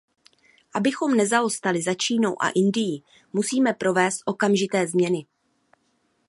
Abychom nezaostali za Čínou a Indií, musíme provést okamžité změny.